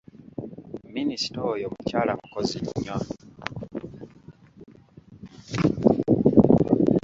Minisita oyo mukyala mukozi nnyo.